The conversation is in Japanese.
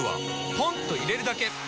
ポンと入れるだけ！